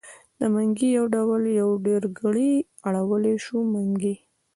منګی يو ډول په ډېرګړي اړولی شو؛ منګي.